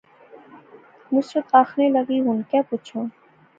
نصرت آخنے لاغی، ہن کہہ پچھاں